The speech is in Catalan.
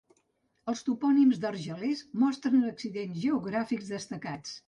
Els topònims d'Argelers mostren accidents geogràfics destacats.